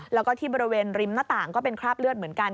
แล้วก็ที่บริเวณริมหน้าต่างก็เป็นคราบเลือดเหมือนกัน